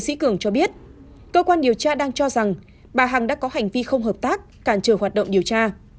sĩ cường cho biết cơ quan điều tra đang cho rằng bà hằng đã có hành vi không hợp tác cản trở hoạt động điều tra